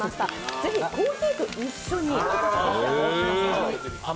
ぜひ、コーヒーと一緒にお召し上がりください。